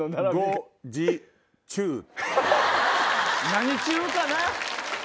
何中かな？